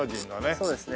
そうですね